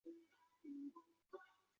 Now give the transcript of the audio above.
疏受为太子太傅疏广之侄。